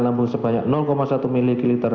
lambung sebanyak satu ml